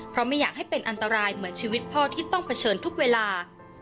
เพราะไม่อยากให้เป็นอันตรายเหมือนชีวิตพ่อที่ต้องเผชิญทุกเวลา